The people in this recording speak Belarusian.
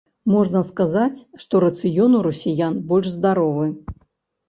Можна сказаць, што рацыён у расіян больш здаровы.